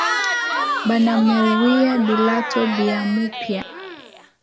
Banamuuwia bilato bya mupya